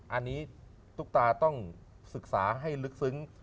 อันนี้ตุ๊กตาต้องศึกษาให้ลึกซึ้ง